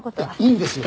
いいんですよ